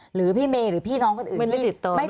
หรือพี่เมย์หรือพี่น้องคนอื่นที่ไม่ผ่านธรรยาไหม